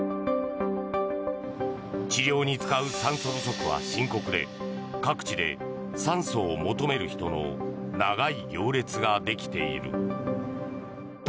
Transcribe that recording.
治療に使う酸素不足は深刻で各地で酸素を求める人の長い行列ができている。